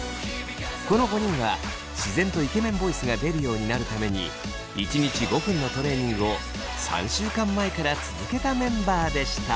この５人は自然とイケメンボイスが出るようになるために１日５分のトレーニングを３週間前から続けたメンバーでした。